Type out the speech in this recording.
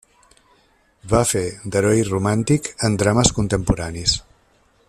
Va fer d'heroi romàntic en drames contemporanis.